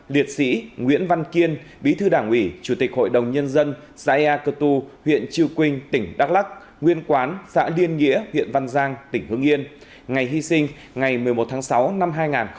năm liệt sĩ nguyễn văn kiên bí thư đảng ủy chủ tịch hội đồng nhân dân xe a tiêu huyện triều quynh tỉnh đắk lắc nguyên quán xã liên nghĩa huyện văn giang tỉnh hương yên ngày hy sinh ngày một mươi một tháng sáu năm hai nghìn hai mươi ba